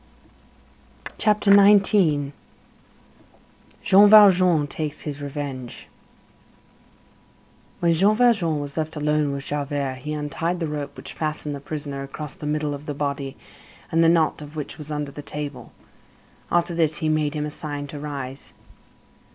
CHAPTER XIX—JEAN VALJEAN TAKES HIS REVENGE When Jean Valjean was left alone with Javert, he untied the rope which fastened the prisoner across the middle of the body, and the knot of which was under the table. After this he made him a sign to rise.